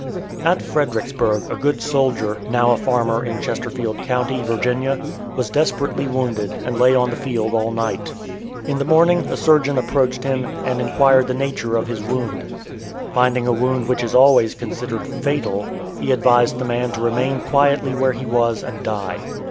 At Fredericksburg a good soldier, now a farmer in Chesterfield County, Virginia, was desperately wounded and lay on the field all night. In the morning a surgeon approached him and inquired the nature of his wound. Finding a wound which is always considered fatal, he advised the man to remain quietly where he was and die.